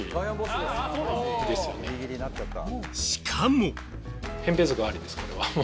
しかも。